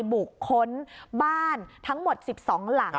บุคคลบ้านทั้งหมด๑๒หลัง